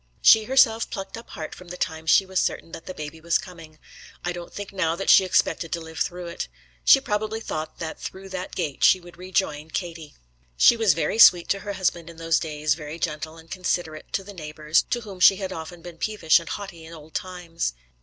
She herself plucked up heart from the time she was certain that the baby was coming. I don't think now that she expected to live through it. She probably thought that through that gate she would rejoin Katie. She was very sweet to her husband in those days, very gentle and considerate to the neighbours, to whom she had often been peevish and haughty in old times.